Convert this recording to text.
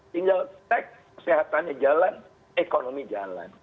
tinggal sehatannya jalan ekonomi jalan